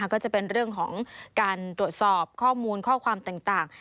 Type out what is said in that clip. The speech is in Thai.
ก็จะเป็นเรื่องของการตรวจสอบข้อมูลข้อความต่าง